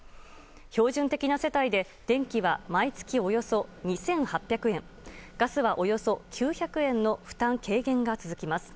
標準的な世帯で電気は毎月およそ２８００円ガスは、およそ９００円の負担軽減が続きます。